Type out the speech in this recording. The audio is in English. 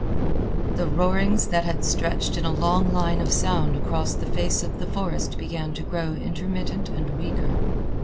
The roarings that had stretched in a long line of sound across the face of the forest began to grow intermittent and weaker.